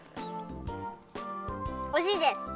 おいしいです！